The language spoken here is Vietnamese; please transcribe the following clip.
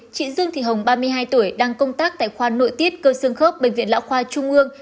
chị dương thị hồng ba mươi hai tuổi đang công tác tại khoa nội tiết cơ sương khớp bệnh viện lão khoa trung ương